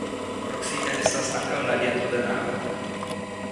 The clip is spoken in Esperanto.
Proksime estas ankaŭ lageto de Nava.